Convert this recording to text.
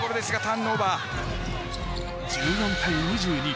１４対２２